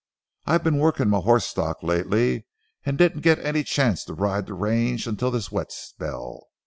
I've been working my horse stock lately, and didn't get any chance to ride the range until this wet spell.